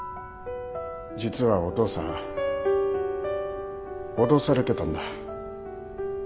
実はお父さん脅されてたんだ